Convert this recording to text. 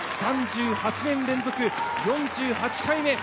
３８年連続４８回目。